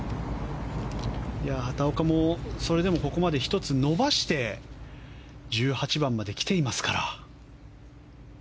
畑岡もそれでもここまで１つ伸ばして１８番まで来ていますから。